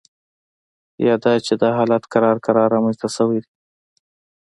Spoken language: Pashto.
یا دا چې دا حالت کرار کرار رامینځته شوی دی